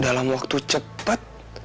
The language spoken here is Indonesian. dalam waktu cepet